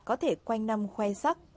có thể quanh năm khoe sắc